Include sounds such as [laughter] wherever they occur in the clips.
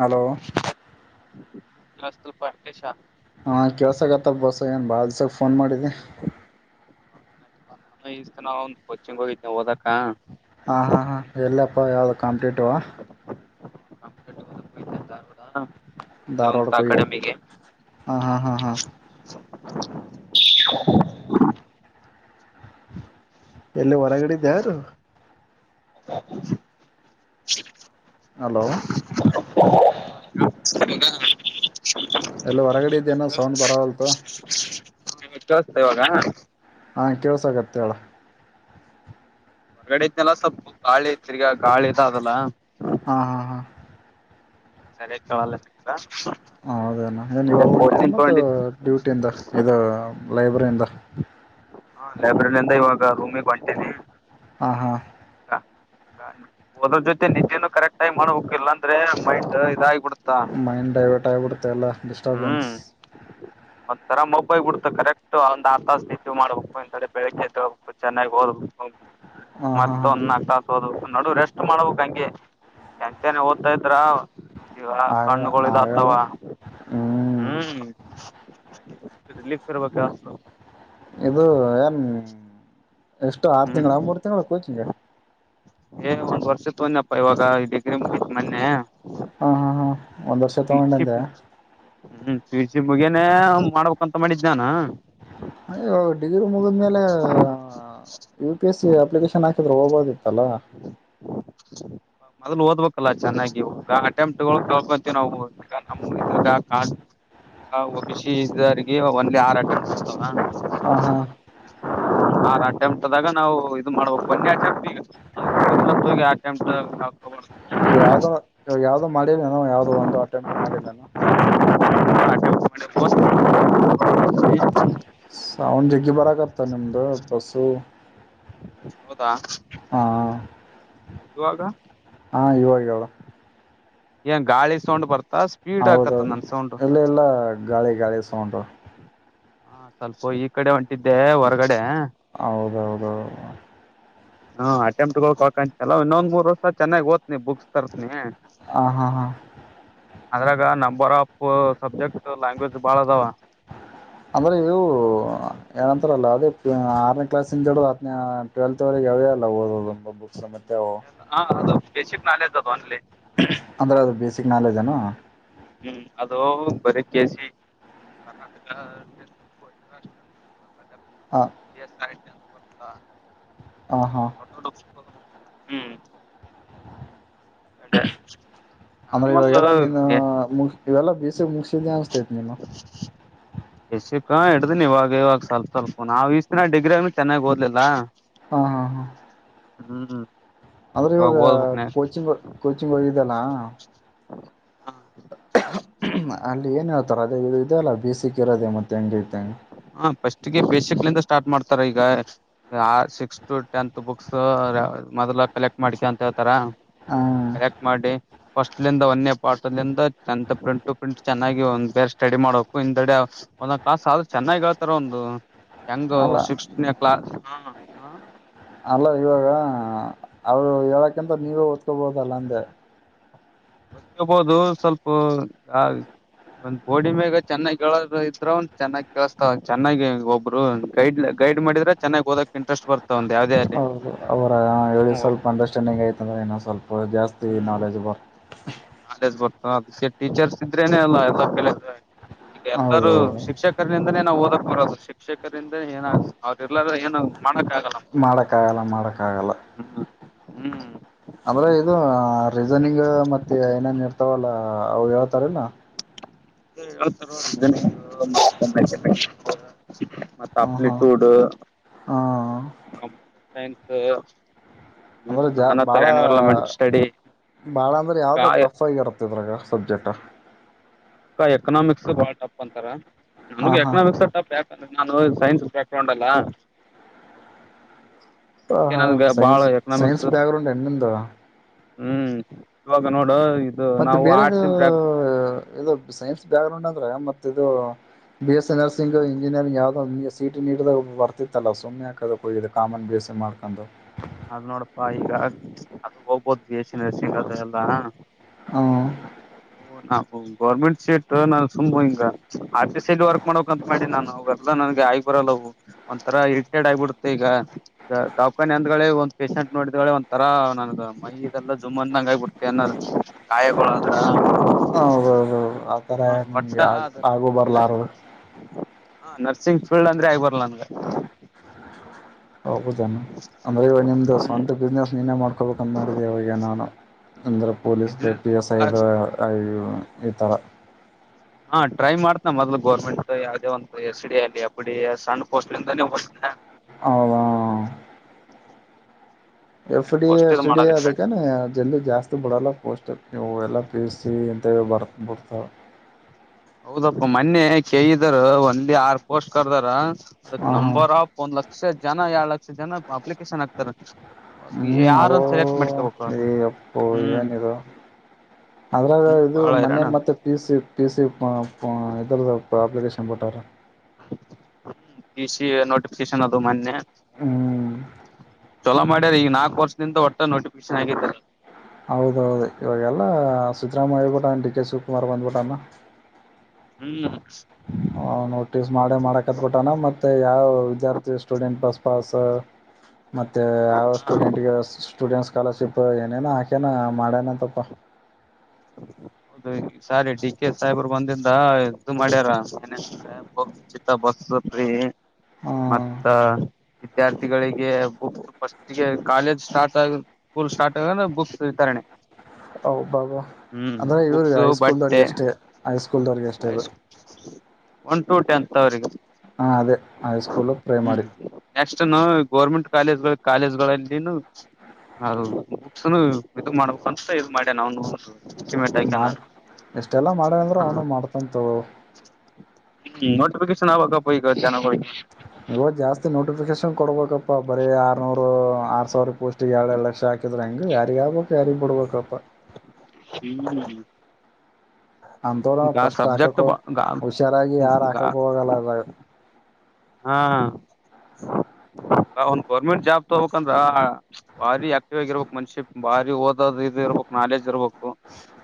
hello [unintelligible] ಹಾ ಕಳ್ಸಕತ್ತಪ್ಪ ಬಸ ಏನ್ ಬಾಳ ದಿವ್ಸಕ್ಕೆ ಫೋನ್ ಮಾಡಿದ್ದಿ ನಾನು ಇಷ್ಟ ನ ಒಂದ್ ಕೊಚ್ಚಿಂಗ ಹೋಗಿದ್ವು ಓದಕ್ಕ ಹಾ ಹಾ ಹಾ ಎಲ್ಲಪ್ಪ ಯಾವ್ದ ಕಂಪ್ಲೀಟವಾ ಕಂಪ್ಲೀಟ್ ಓದಕ್ ಹೋಗಿದ್ದೆ ಧಾರವಾಡ ದಾರಡ ಒಂದು ಕು ಅಕಾಡೆಮಿಗೆ ಹಾ ಹಾ ಹಾ ಹಾ [inaudible] ಎಲ್ಲಿ ಹೊರಗಡೆದ್ದ ಯಾರು [inaudible] ಹಲೋ ಹ ಎಲ್ಲಿ ಹೊರಗಡೆ ಇದೇನೋ ಸೌಂಡ್ ಬರವಲ್ತು ಕೇಳಸ್ತ ಇವಾಗ ನಾ ಕೆಳಸಗತ್ಯ ಆಳ ಹೊರ್ಗಡೆ ಇದಐನಲ್ಲ ಸ್ವಲ್ಪ ಗಾಳಿ ಐ ತಿರ್ಗ ಗಾಳಿ ಅದಲ್ಲ ಹಾ ಹಾ ಹಾ ಸರಿಯ ಕವಲ್ಲ ಸಿಕ್ ಹ ಅದೇನ ನ್ ಇವಾಗ ಒಂಟ ಮ ತಗೊಂಡಿದ್ದು ಡ್ಯೂಟಿದ ಇ ಲೈಬ್ರರಿ ಎಂದ ಹಾ ಲೈಬ್ರರಿ ಅಂದ ಇವಾಗ ರೂಮಿಗ್ ಬಂತನಿ ಹಾ ಹಾ ೋದ್ರ ಜೊತೆ ನಿಜೆನುೂ ಕರೆಕ್ಟ್ ಟೈಮ್ ಮಾಡ ಹೋಗಕ್ಕಿಲ್ಲ ಅಂದ್ರೆ ಮೈಟ್ ಇದಾಗಬಿಡ್ತ ಮೈಂಡ್ ಡೈವರ್ಟ್ ಆಗಿಬಿಡ್ತ ಎಲ್ಲ ಡಿಸ್ಟರ್ಬೆನ್ಸ್ ಒಂತರ ಮೊಬೈಲ್ ಬಿಡ್ತು ಕರೆಕ್ಟ್ ಒಂದ್ ಆ ತಸ್ ಮಾಡ್ಬೇಕು ಇಂತಥಡೆ ಬೆಳಗ್ಗಬೇಕು ಚೆನ್ನಾಗಿ ಹಓದ್ಬೇಕು ಹಾ ಹಾಂ ಹಾಂ ಮತ್ತ ಹಾಂ ಒಂದ ನಾಕ್ ತಾಸ ಓದ್ಕ್ು ನಡು ರೆಸ್ಟ್ ಮಾಡ್ಬೇಕಕ್ ಹಂಗೆ ಎಂತನೆ ಓದ್ತಾ ಇದ್ರ ಈ ಆಗ ಆಗಲ್ಲ ಕಣ್ಣುಗಳಳಿದತವಾ ಹ್ಞೂ ಹ್ಮ್ ರಿಲೀಫ್ ಬರಬೇಕ ಇದು ಏನ್ ಎಷ್ಟು ಆರು ಹ್ಮ್ ತಿಂಗಳು ಮೂರು ತಿಂಳ ಕೋಚಿಗೆ ಏ ಒಂದ್ ವರ್ಷತ್ ಒನ್ಪ್ಪ ಇವಾಗ ಡಿಗ್ರಿ ಮುತಿ ಮೊನ್ನೆ ಒಂದಂದು ವರ್ಷ ತ ಮೊಂಡಿಂದ ವಿಸಿ ಮುಗೇನೇ ಮಾಡ್ಬೇಕಂತ ಮಾಡಿದ್ದ ನಾನ ವಾಗ ಡಿಗ್ರಿ ಮುಗಿದ್ಮೇಲೆ ಯು ಪಿ ಎಸ್ಸ ಅಪ್ಲಿಕೇಶನ್ ಹಾಕಿದ್ರೆ ಹೋಗೋದಿತ್ತಲ್ಲ ಮೊದ್ಲು ಓದ್ಬೇಕಲ್ಲ ಚೆನ್ನಾಗಿ ಅಟೆಂಪ್ಟ್ಗಳುಕಳ್ಕಂತವಿ ನಾವು ಈ ನ ಕ ಹಷರಿಗೆ ಒಂದ್ ಆರಾಟ ಮಾಡ್ತವ ಹ ಹಾ ಹ ರ ಒಂದೇ ಅಟೆಂಟ್ಗ ನಾವು ಇದು ಮಾಡ್ಬೇಕ ಬನ್ಯ ಅಟೆಂ ಈಗಂ ಹಾಕೋಬಾರ್ದು ಯಾವವು್ದೋ ಯಾವವು್ದು ಮಾಡಿಲ್ಲನ ಯಾವ್ದೋ ಒಂದು ಅಟೆಂ ಮಾಡಿಲ್ಲನ [unintelligible] ಅವೌಂಡ ಜಿಗ್ಗಿ ಬರಕತ್ತ ನಿಮ್ದು ಬಸ್ಸು ಹೌದಾ ಹಾ ಯುವಾಗ ಹಾಂ ಇವಾಗಳು ಏನ್ ಗಾಳಿ ಸೌಂಡ್ಬರ್ತ ಹೌದೌದು ಎಲ್ಲ ಎಲ್ಲಾ ಗಾಳಿ ಗಾಳಿ ಸೌಂಡರು ಹಾ ಸ್ವಲ್ಪ ಈ ಕಡೆ ಹೊಂಟಿದ್ದೆ ಹೊರಗಡೆ ಹೌದೌದೌ ಹಾ ಅಟೆಂಪ್ಟ್ಕ್ ಹಕಂತಲ್ಲ ಇನ್ನೊಂದ್ ಮೂರ್ ವರ್ಷ ಚೆನ್ನಾಗಿ ಓ್ನಿ ಬುಕ್ಸ್ ತರ್ತನಿ ಹಾ ಹಾ ಹಾ ಅದ್ರಾಗ ನಂಬರ್ ಆಫ್ ಸಬ್ಜೆಕ್ಟ್ ಲ್ಯಾಂಗ್ವೇಜ್ ಬಾಳ ಅದಾವ ಅಂದ್ರೆ ಇವು ಏನಂತಾರಲ್ಲ ಅದೇ ಆರನೇ ಕ್ಲಾಸ್ದಡುದು ಹನೇ ಟ್ವೆಲ್ತ್ವರೆಗೆ ಯಾವದೇ ಅಲ್ಲ ಓದೋದಂದ ಬಬ ಹ ಅದು ಬೇಸಿಕ್ ನಾಲೇಜ್ ಅದು ಒನ್ಲ್ಲಿ ಅಂದ್ರೆ ಅದ ಬೇಸಿಕ್ ನಾಲೆಜ್ನ ಹ್ಮ್ ಅದೋ ಬರ ಕೆೇಸಿ ಕರ್ನಾಟಕ ವಜ್ರಾಷ್ಟ ಹಾ ದೊಡ್ಡ ಹಾ ದೊಡ್ಡ ಹ್ಮ್ ಅದೇ ಆಮೇಲೆ ಇವಾಗೆಲ್ಲ ನೀನು ಮುಗಿಸಿ ಇವೆಲ್ಲ ಪಿ ಸಿ ಮುಗಿಸಿದು ಅನಿಸ್ತಾತೈತೆ ನೀನು ಎಸಕ್ಕ ಇಡ್ದಿನಿ ಇವಾಗ ಇವಾಗ ಸ್ವಲ್ಪ ಸ್ವಲ್ಪ ನಾಾವವು್ಿನ ಡಿ್ರ ಆಗ ಚನ್ನಾಗ್ಓದಲಿಲ್ಲ ಹಾ ಹಾ ಹಾ ಹ್ಮ್ ಹ್ಮ್ ಆದ್ರೆ ಇವಾಗ ಕೋಚಿಂಗ್ ಕೋಚಿಂಗ್ ಹೋಗಿದಲ್ಲ ನೆಕ್ಸ್ಟ್ [unintelligible] ಅಲ್ಲಿ ಏನು ಹೇಳ್ತಾರೆ ಅದೇ ಇ ಇದೆ ಅಲ್ಲ ಬಸಕ್ ಇರೋದೆ ಮತ್ತುತ್ತ ಹೆಂೈಐತೆ ಹೆಂಗೆ ಹ ಫಸ್ಟ್ಗೆ ಬೇಸಿಕ್ಲಿಂದ ಸ್ಟಾರ್ಟ್ ಮಾಡ್ತಾರ ಈಗ ಸಿಕ್ಸ್ ಟೆಂತ್ ಬುಕ್ಸ್ ಮೊದಲ ಕಲೆಕ್ಟ್ ಮಾಡ್ಸ ಅಂತ ಹೇತಾರ ಹಾ ಮಾಡಿ ಫಸ್ಟ್ಂದ ಒಂದೇ ಪಾರ್ಟಿಂದ ಎಂತ ಪ್ರಿಂಟ್ ಟು ಪ್ರಿಂಟ್ ಚೆನ್ನಾಗಿ ಒಂದ್ ಬೆಸ್ಟ್ ಸ್ಟಡಿ ಮಾಡಬೇಕು [unintelligible] ಚೆನ್ನಾಗಿ ಹೇಳ್ತಾರ ಒಂದು ಹೆಂಗೊ ಅಲ್ಲ ಸಿಕ್ಸನೇ ಕ್ಲಾಸ್ ಅಲ್ಲ ಇವಾಗ ಅವರು ಹೇಳಕ್ಕಿಂತ ನೀವೇ ಓದ್ಕೋಬಹುದಲ್ಲ ಅಂದೆ ಓದ್ಕೊಬಹುದು ಸ್ವಲ್ಪ ಒಂದ್ ಬೋಡಿ ಮೇಗ ಚೆನ್ನಾಗಿ ಹೇಳೋರು ಇದ್ರ ಒಂದ ಚೆನ್ನಾಗಿ ಕೇಳಸ್ತಾವ ಚೆನ್ನಾಗಿ ಒಬ್ರು ಗೈಡ್ ಲೈನ್ ಗೈಡ್ ಮಾಡಿದ್ರೆ ಚೆನ್ನಾಗಿ ಓದಕ್ ಇಂಟರೆಸ್ಟ್ ಬರ್ತಾವಂದ್ ಯಾವ್ದ ಆಗ್ಲಿ ಹೌದು ಅವರ ಹೇಳಿ ಸ್ವಲ್ಪ ಅಂಡರ್ಸ್ಟ್ಯಾಂಡಿಂಗ್ ಐತಂದ ಸ್ವಲ್ಪ ಜಾಸ್ತಿ ಹ್ಮ್ ನಾಲೆಜ್ ಬರ್ತಾವ ನಾಲೆಜ್ ಬರ್ತವಾ ಅದಕ್ಕೆ ಟೀಚರ್ಸ್ ಇದ್ರೇನೆ ಅಲ್ಲ ಎಲ್ಲ ಕಲಿಯಕ್ಕ ಈಗ ಹೌದು ಎಲ್ಲರೂ ಶಿಕ್ಷಕ ಶಿಕ್ಷಕರರಿಂದಾನೆ ನಾ ಓದಕ್ ಬರೋದು ಶಿಕ್ಷಕರಿಂದನ ಏನ ಅವ್ರಲ್ಲಾರ ಏನ ಮಾಡಕ್ ಆಗಲ್ಲ ಮಾಡಕ್ಕ ಆಗಲ್ಲ ಮಾಡಕ್ಕ ಆಗಲ್ಲ ಹ್ಮ್ ಅಂದ್ರೆ ಇದು ರೀಸನಿಂಗ್ ಮತ್ತೆ ಏನೇನ್ ಇರ್ತಾವಲ್ಲ ಅ ಹೇಳ್ತಾರಲ್ಲ ಹಾ ಹೇಳ್ತಾರೆ [unintelligible] ಮತ್ತ ಹ ಹಾ ಅಪ್ಲಿಟ್ಯೂಡ್ ಹ ಕಂಪ್ಯೂಟರ್ ಸೈನ್ಸ್ ಹ್ಮ್ ಅವೆಲ್ಲ ಜಾ ನಾನಾ ತರ ಬಾಳ ಎನ್ವೈರನ್ಮೆಂಟ್ ಸ್ಟಡಿ ಬಾಳ ಅಂದ್ರೆ ಯಾವ್ದೋ ಟಫ್ ಆಗಿಇರುತ ಇದ್ರಾಗ ಸಬ್ಜೆಕ್ಟ್ ಅ ಎಕನಾಮಿಕ್ಸ್ ಬಾಳ್ ಟಪ್ ಅಂತಾರ ಹ ನನ್ಗೆ ಹಾ ಎಕನಾಮಿಕ್ಸ್ ಟಪ್ ಯಾಕಂದ್ರೆ ನಮಗೆ ಸೈನ್ಸ್ ಬ್ಯಾಕ್ ಗ್ರೌಂಡ್ ಅಲ್ಲ ಹ ಅದಕ್ಕೆ ಹಾ ನನ್ಗೆ ಬಾಳ science science economics back ground ಏನು ನಿಂದು ಹ್ಮ್ ಇವಾಗ ನೋಡು ಇದು ಮತ್ತೆ ನಾವು ಬೇರೆದು ಆರ್ಟ್ಸ್ ಬ್ಯಾಕ್ ಎಲ್ಲಾ ಸೈನ್ಸ್ ಬ್ಯಾಕ್ ಗ್ರೌಂಡ್ ಅಂದ್ರೆ ಮತ್ತ ಇದು B S A nursing engineering ಯಾವ್ದೋ ಸೀಟ್ ಸಿಇತಿ ನೀಟ್ ಆದಾಗ ಬರ್ತಿತ್ತಲ್ಲ ಸುಮ್ಮನೆ ಯಾಕೆ ಅದುಕ್ಕೆ ಹೋಗಿದೀಯ ಕಾಮನ್ ಬಿ ಎಸ್ ಸಿ ಮಾಡ್ಕೊಂಡು ಅದ್ ನೋಡಪ್ಪಾ ಈಗ ಅದು ಹೋಗ್ಬೋದ್ ಬಿ ಎಸ್ ಸಿ ನರ್ಸಿಂಗ್ ಅಲ್ಲಿ ಎಲ್ಲಾ ಹ ಓ ನಾವು ಗೌರ್ಮೆಂಟ್ ಸೀಟ್ ನಾನು ಸುಮ್ಮ್ ಹಿಂಗ ಆರ್ಟಿ ಸೈಡ್ ವರ್ಕ್ ಮಾಡಕಂತ ಮಾಡಿ ನಾನು ಹೋಗ ನನ್ಗೆ ಆಗಿ ಬರಲ್ಲ ಒಂಥರ ಇರಿಟೇಡ್ ಆಗಿಬಿಡುತ್ತೆ ಈಗ ಟಾಪ್ ಫೈನಾನ್ಸ್ ಒಂದ್ ಪೇಶೆಂಟ್ ನೋಡಿದಳೆ ಒಂದ ತರಾ ನನ್ ಮೈದೆಲ್ಲ ಜುಮ್ ಅ ಹಂಗಾಗಿ ಬಿಡ್ತತೆ ಅನ್ನೋ ಗಾಯಗಳು ಹೌ ಹ ಹೌದೌದೌದು ಆತರ ಒಟ್ಟ ನಿಮ್ಗೆ ಆಗು ಬರ್ಲಾರದು ಹಾ ನರ್ಸಿಂಗ್ ಫೀಲ್ಡ್ ಅಂದ್ರೆ ಆಗ್ ಬರಲ್ಲ ನನ್ಗೆ ಹೌದೇನು ಅಂದ್ರೆ ಇವ ನಿಮ್ದು ಹ್ಮ್ ಸ್ವಂತ ಬಿಸ್ನೆಸ್ ನೀನ್ನೇ ಮಾಡ್ಕೋಬೇಕಂತ ಮಾಡಿದೆ ಇವಾಗ ನಾನು ಅಂದ್ರೆ ಪೊಲೀಸ್ ಬಿಸ್ನೆಸ್ ಪಿ ಎಸ್ ಅದು ಮೊದಲ ಈತಾರಾ ಹಾ ಟ್ರೈ ಮಾಡ್ತನ ಮೊದ್ಲು ಗೋರ್ಮೆಂಟ್ ಯಾವ್ದೇ ಒಂತ ಎಸ್ ಡಿ ಆಗ್ಲಿ ಎಫ್ ಡಿ ಎ ಆಗ್ಲಿ ಸಣ್ಣ ಪೋಸ್ಟ್ ಯಿಂದಾನೆ ಹೋಗ್ತನ ಹೌದ ಎಫ್ ಡಿ ಎ ಪೋಸ್ಟ್ ಇದ್ ಸ್ಟಡಿ ಮಾಡದ ಈ ಕಡೆ ಅದಕ್ಕಾನ ಎಲ್ಲು ಜಾಸ್ತಿ ಇ ಬಿಡಲ್ಲ ಪೋಸ್ಟ್ ನೀವು ಎಲ್ಲ ಪಿ ಎಸ್ ಸಿ ಇ ಬರ್ ಬಿಡ್ತಾವ ಹೌದಪ್ಪ ಮೊನ್ನೆ ಕೇಿದಾರ ಒಂದಲಿ ಆರ್ ಪೋಸ್ಟ್ ಕರ್ದಾರ ಅದಕ್ ಹಾ ಹಾ ನಂಬರ್ ಆಫ್ ಒಂದ್ ಲಕ್ಷ ಜನ ಎರಡು ಲಕ್ಷ ಜನ ಅಪ್ಲಿಕೇಶನ್ ಆಕ್ತಾರೆ ಹ್ಮ್ ಅವೋ ಯಪ್ಪಾ ಹ್ಮ್ ಏನಿದು ಅದ್ರಾಗ ಹ್ಮ್ ಇದು ಬಾಳ ಹೈರಾಣ ಮನ ಮತ್ತೆ ಪಿ ಸಿ ಪಿ ಸಿ ಪಾ ಪಾ ಇದರದ ಅಪ್ಲಿಕೇಶನ್ ಬಿಟ್ಟರ ಪಿ ಸಿ ಎ ನೋಟಿಫಿಕೇಶನ್ ಅದು ಮೊನ್ನೆ ಹ್ಮ್ ಚೊಲೋ ಮಾಡ್ಯಾರ ಈಗ ನಾಕು ವರ್ಷದಿಂದ ಒಟ್ಟ ನೋಟಿಫಿಕೇಶನ್ ಆಗಿದಿದ್ದಾರೆ ಹೌದೌದು ಇವಾಗೆಲ್ಲ ಸಿದ್ದರಾಮಯ್ಯ ಏಳಿದು ಬಿಟ್ಟನ ಡಿ ಕೆ ಶಿವಕುಮಾರ್ ಬಂದ್ಬಿಟ್ಟಣ ಹ್ಮ್ ಹ ನೋಟಿಸ್ ಮಾಡೇ ಮಾಡಕತ್ ಬಿಿಟ್ಟಾನ ಮತ್ತೆ ಯಾವ ವಿದ್ಯಾರ್ಥಿ ಸ್ಟೂಡೆಂಟ್ ಬಸ್ ಪಾಸ್ ಮತ್ತೆ ಯಾವ ಸ್ಟೂಡೆಂಟ್ ಸ್ಟೂಡೆಂಟ್ ಸ್ಕಾಲರ್ಶಿಪ್ ಏನೇ ಹಾಕಿ ಚನ ಮಾಡಣ ತಪ್ಪ ಹೌದು ಈ ಸಾರಿ ಡಿ ಕೆ ಸಾಹೇಬರ್ ಬಂದಿದ್ದ ಇದು ಮಾಡ್ಯಾರ ಏನ ಚಿತ್ತ ಬಕ್ತ ಪ ಹ್ಮ್ ಮತ್ತ ವಿದ್ಯಾರ್ಥಿಗಳಿಗೆ ಬುಕ್ ಫಸ್ಟ್ಗೆ ಕಾಲೇಜ್ ಸ್ಟಾರ್ಟ್ ಆಗ ಸ್ಕೂಲ್ ಸ್ಟಾರ್ಟ್ ಆಗ ಬುಕ್ಸ್ ವಿ ತರಣೆ ಬಾಬಾ ಹ್ಮ್ ಅಂದ್ರೆ ಇವ್ರಿಗೆ ಬುಕ್ಸ್ ಬಡ್ೆ ಹೈಸ್ಕೂಲ್ದವ್ರಿಗೆ ಅಷ್ಟೇ ಹೈಸ್ಕೂಲ್ದವ್ರಿಗೆ ಅಷ್ಟೇ ಇದು ಒನ್ ಟು ಟೆಂತ್ ಅವ್ರಿಗೆ ಹಾ ಅದೇ ಹಐ ಸ್ಕೂಲು ಪ್ರೈಮರಿ ನ ಗೋರ್ಮೆಂಟ್ ಕಾಲೇಜ್ ಕಾಲೇಜ್ಗಳಲ್ಲಿ ಹೌದು ಬುಕ್ಸ್ನು ಇದ ಮಾಡ್ಬೇಕಂತ ಇದ ಮಾಡ್ಯ ನ ಅವನು ಮಾಡ ಎಷ್ಟೆಲ್ಲ ಮಾಡ ಅಂದ್ರರು ಅವನು ಮಾಡ್ತಂತ ಗೆ ಸನ ಬಾಗಪ್ಪಪ ಈಗ ಜ ಕೊ ಇವಾಗ ಜಾಸ್ತಿ ನೋಟಿಫಿಕೇಶನ್ ಕೊಡ್ಬೇಕಪ್ಪಾ ಬರೀ ಆರ್ನೂರು ಆರ್ ಸಾವಿರ ಪೋಸ್ಟ್ ಎಳ ಎ ಲಕ್ಷ ಹಾಕಿದ್ರೆ ಹಂಗ ಯಾರಿಗ್ ಆಗ್ಬೇಕು ಯಾರಿಗ್ ಬಿಡ್ಬೇಕಪ್ಪ ಹ್ಮ್ ಅಂಥವ್ರ ಈ ಗ ಫಸ್ಟ್ ಸಬ್ಜೆಕ್ಟ್ ಹಾಕಕ್ಕೋ ಬ ಹುಷಾರಾಗಿ ಯಾರು ಹಾಕಕ್ಕೆ ಹೋಗಲ್ಲ ಅದಾಗ ಹಾ ಒಂದ ಗೌರ್ಮೆಂಟ್ ಜಾಬ್ ತಗೋಕ್ಂದ್ರ ಬಾರಿ ಆಕ್ಟಿವ್ ಆಗಿರ್ಬಕ್ ಮನುಷಿ ಬಾರಿ ಓದೋದ ಇರ್ಬೇಕು ನಾಲೇಜ್ ಇರ್ಬೇಕು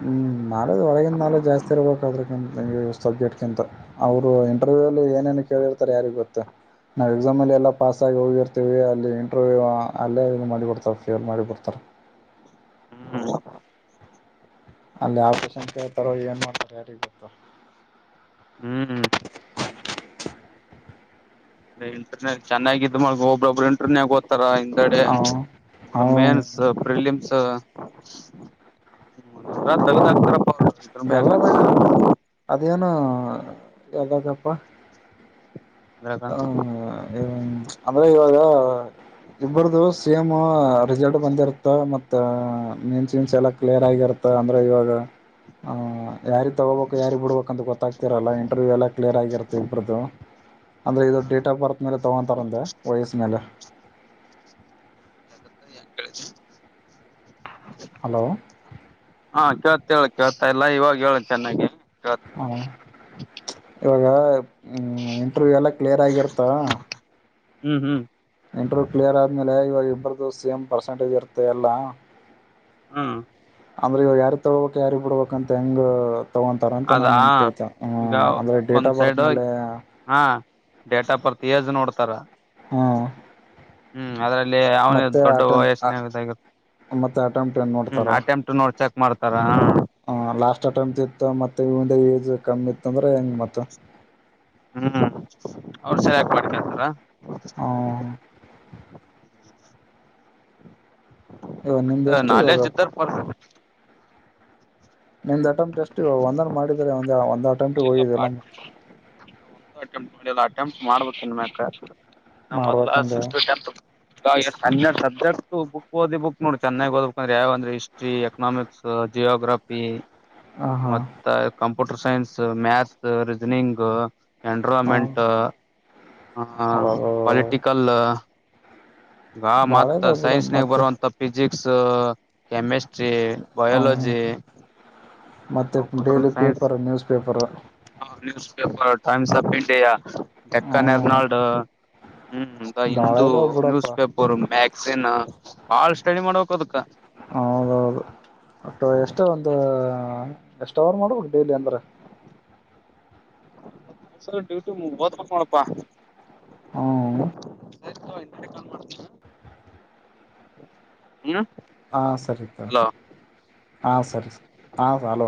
ಹ್ಞೂ ನಾಲೆಜ್ ಒಳಗಿನ ನಾಲೆಜ್ ಜಾಸ್ತಿ ಇರಬೇಕಾದ್ರಿಂತ ಸಬ್ಜೆಕ್ಟ್ಗಿಂತ ಅವರು ಇಂಟರ್ವ್ಯೂ ಏನೇನು ಕೇಳಿರ್ತಾರೆ ಯಾರಿಗ ಗೊತ್ತು ನಾವ್ ಎಕ್ಸಾಮ್ ಅಲ್ಲಿ ಎಲ್ಲ ಪಾಸ್ ಆಗಿ ಹೋಗಿರ್ತಿೀವಿ ಅಲ್ಲಿ ಇಂಟರ್ವ್ಯ ಅಲ್ಲೇ ಮಾಡಿಬಿಡ್ತಾರೆ ಫೇಲ್ ಮಾಡಿಬಿಡ್ತಾರ ಹ್ಮ್ ಅಲ್ಲಿ ಆಪರೇಷನ್ ಕೇಳ್ತಾರೋ ಏನ್ ಮಾಡೋಡ್ತಾರ ಯಾರಿಗ್ ಗೊತ್ತು ಹ್ಮ್ ಹ್ಮ್ ಅ ಇಂಟರ್ನೆಟ್ ಚೆನ್ನಾಗಿದ ಮಳಗ ಒಬ್ಬೊಬ್ರು ಇಂಟರ್ನೆೇ ಗ ರ ಹಿಂದೆಡೆ ಅವ ಒರ ಅವ ಮೇನ್ಸ್ ಪ್ರಿಲಿಮ್ಸ್ ್ಮ ರತ್ ನರ ಎಲ್ಲದಾಗ ಅದೇನು ಯ್ದಾಗಪ್ಪ ಇದ್ರಾಗ ಹ್ಮ ಅಂದ್ರೆ ಇವಾಗ ಇಬರದು ಸೇಮ್ ರಿಸಲ್ಟ್ ಬಂದಿರುತ್ತ ಮತ್ ತ್ತ ಮೀನ್ಸ್ೀನ್ಸ್ ಎಲ್ಲ ಕ್ಲಿಯರ್ ಆಗಿರತ್ತ ಅಂದ್ರೆ ಇವಾಗ ಯಾರಿಗೆ ತೊಗೋಬೇಕು ಯಾರಿಿಗೆ ಬಿಡ್ಬೇಕಂತ ಗೊತ್ತಾಗ್ತಿರಲ್ಲ ಇಂಟರ್ವ್ಯೂ ಎಲ್ಲ ಕ್ಲಿಯರ್ ಆಗಿರುತ್ತೆ ಇಬ್ರದ್ದು ಅಂದರೆ ಇದು ಡೇಟ್ ಆಫ್ ಬರ್ತ್ ಮೇಲೆ ತಗೊತಾರಂದೆ ವಯಸ್ಸ ಮೇಲೆ ಯದ ಎ ಕಡೆ ಹಲೋ ಹಾ ಕೇಳ್ತದ ಹೇಳ ಕೇಳ್ತಾಯಿಲ್ಲಾ ಇವಾಗ ಹೇಳ ಚೆನ್ನಾಗಿ ಕೇಳ್ತ ಹಾಂ, ಇವಾಗ ಇಂಟ್ರವ್ಯೂ ಎಲ್ಲ ಕ್ಲಿಯರ್ ಆಗಿರ್ತ್ತಾ ಹ್ಮ್ ಹ್ಮ್ ಇಂಟ್ರವ್ಯೂ ಕ್ಲಿಯರ್ ಆದಮೇಲೆ ಇವಾಗ ಇಬ್ಬರದು ಸೇಮ್ ಪರ್ಸೆಂಟೇಜ್ ಇರುತ್ತೆ ಎಲ್ಲ ಹಾ ಅಂದ್ರ ಇವ ಯಾರಿಗೆ ತೊಗೋಬೇಕು ಯಾರಿಗೆ ಬಿಡ್ಬೇಕಂತ ಹೆಂಗ ತಗೋಂತಾರ ಅಂತ ನಾನ್ ಅದಾ ನಿನ್ ಕೇಳ್ತ ಈಗ ಅಂದ್ರೆ ಡೇಟ್ ಒಂದ್ ಆಫ್ ಬರ್ತ್ ಸೈಡ್ ಮೇಲೆ ಹಾ ಡೇಟ್ ಆಫ್ ಬರ್ತ್ ಏಜ್ ನೋಡ್ತಾರಾ ಹಾಂ ಅದರಲ್ಲಿ ಅವನ ದೊಡ್ಡ ವಯಸ್ನೆಾಗಿ ಮತ್ತೆ ಅಟೆಂಪ್ಟ್ ಏನ್ ಹ್ಮ ಅಟೆಂಟ್ ನೋಡ್ಕ್ ಮಾಡ್ತಾರ ಹ ಲಾಸ್ಟ್ ಅಟೆಂ ಇತ್ತು ಮತ್ತೆ ಏಜ್ ಕಮ್ಮಿ ಇತ್ತಂದ್ರೆ ಹೆಂಗ ಮತ್ತ ಹ್ಮ್ ಅವ್ರ ಸೇಲ್ಕಟ ಮಾಡಕೆಂತಾರ ಇವಾಗ ಒಟ್ಟ ನಿಮ್ದ ಎಷ್ಟು ಇವಾಗ ನಾಲೇಜ್ ಇದ್ದರು ನಿಮ್ದ ಅಟೆಂಪ್ಟ ಎಷ್ಟು ಒಂದನ್ನು ಮಾಡಿದರೆ ಒಂದ ಒಂದ್ ಅಟೆಂಪ್ಟಗೆ ಇಲ್ಲಪ್ಪ ಹೋಗಿದೆಲ್ಲ ಒಂದು ಅಟೆಂಪ್ಟ ಮಾಡ ಟಂಪ್ಟ ಮಾಡ್ಬೇಕು ಇನ್ ಮ್ಯಾಕ ನಮ್ಮ ಮೊದಲ ಮಾಡ್ಬೇಕಂದ ಸಿಕ್ಸ ಟು ಹನ್ನೆರಡು ಸಬ್ಜೆಕ್ಟ್ ಬುಕ್ ಓದಿ ಬುಕ್ ನೋಡಿ ಚೆನ್ನಾಗಿ ಓದ್ಬೇಕುಂದ್ರ ಯಾವ ಅಂದ್ರೆ ಹಿಸ್ಟ್ರಿ ಎಕನಾಮಿಕ್ಸ್ ಸ ಜಿಯೋಗ್ರಾಫಿ ಹ ಹಾ ಮತ್ತ ಕಂಪ್ಯೂಟರ್ ಸೈನ್ಸ್ ಮ್ಯಾಥ್ಸ್ ರೀಜನಿಂಗ್ ಹ ಎನ್ರೋಮೆಂಟ್ ಅವಾಗ ಪೂಲಿಟಿಕಲ ಗಾ ಬಾಳ ಮತ್ತ ಇದಾವ ಬಿಡು ಸೈನ್ಸ್ನಗ್ ಮತ್ತೆ ಬರುವಂತ ಫಿಸಿಕ್ಸ್ ಕೆಮಿಸ್ಟ್ರಿ ಟಿ ಹ್ಮ ಬಯೋಲಜಿ ಮತ್ತೆ computer daily science paper news paper paper Times of India Deccan ಹ್ಮ್ ಎರ್ನಾಲ್ಡ್ ಹ್ಮ್ ದ ಬಾಳ ಹಿಂದು ಇದಾವ ಬಿಡಪ್ಪ ನ್ಯೂಸ್ ಅವ ಮ್ಯಾಕ್ಸಿನ್ ಬಾಳ ಸ್ಟಡಿ ಮಾಡ್ಬೇಕ ಅದಕ್ಕ ಹೌದೌದು ಒಟ್ಟ ಎಷ್ಟು ಒಂದು ಎಷ್ಟ ಅವರ್ ಮಾಡ್ಬೇಕ ಅಂದ್ರ ಡೈಲಿ ಅಂದ್ರೆ ಡ್ಯೂಟಿ ಓದಬೇಕ ನೋಡಪ್ಪ ಹ್ಮ ಹ್ಮ್ ಹಾ ಸರಿ ಸರಿ ಹಲೋ ಹ ಸರಿ ಹ ಅಲೋ